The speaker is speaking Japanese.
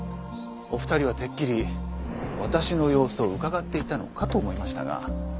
お二人はてっきり私の様子をうかがっていたのかと思いましたが。